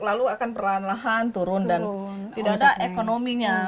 lalu akan perlahan lahan turun dan tidak ada ekonominya